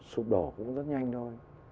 sụp đổ cũng rất nhanh thôi